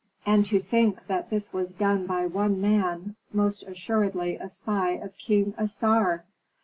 And to think that this was done by one man, most assuredly a spy of King Assar!